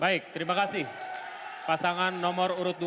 baik terima kasih pasangan nomor urut dua